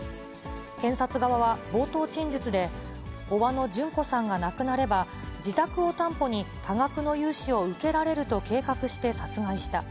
検察側は冒頭陳述で、伯母の旬子さんが亡くなれば、自宅を担保に、多額の融資を受けられると計画して殺害した。